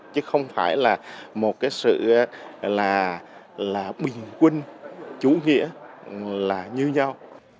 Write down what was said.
chứ không phải là một cái sự là bình quân chủ nghĩa là như nhau